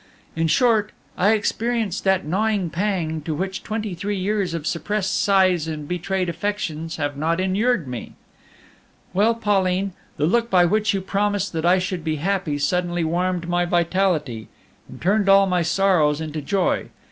In short, I experienced that gnawing pang to which twenty three years of suppressed sighs and betrayed affections have not inured me. "Well, Pauline, the look by which you promised that I should be happy suddenly warmed my vitality, and turned all my sorrows into joy.